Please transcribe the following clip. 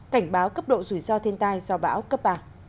cảnh báo cấp độ rủi ro thiên tai do bão cấp ba